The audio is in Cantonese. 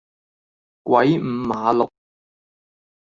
鬼五馬六